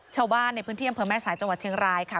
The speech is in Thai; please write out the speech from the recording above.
ชาวบ้านในพื้นที่อำเภอแม่สายจังหวัดเชียงรายค่ะ